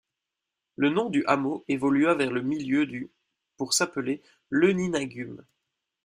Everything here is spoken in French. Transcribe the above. Le nom du hameau évolua vers le milieu du pour s'appeler Leuninagum.